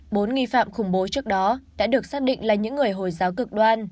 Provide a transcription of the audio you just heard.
bốn nghi phạm khủng bố trước đó đã được xác định là những người hồi giáo cực đoan